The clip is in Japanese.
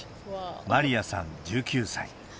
マリアさん１９歳。